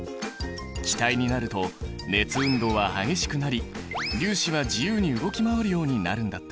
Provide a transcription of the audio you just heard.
気体になると熱運動は激しくなり粒子は自由に動き回るようになるんだったよね？